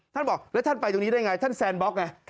ท่านบอกแล้วท่านไปตรงนี้ได้อย่างไรท่านแซนบ็อกไง